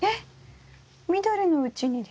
緑のうちにですか？